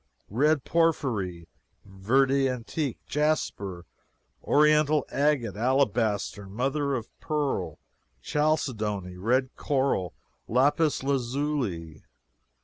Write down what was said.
Red porphyry verde antique jasper oriental agate alabaster mother of pearl chalcedony red coral lapis lazuli!